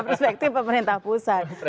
ya perspektif pemerintah pusat